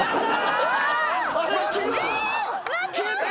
消えた！